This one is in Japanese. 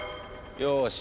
よし。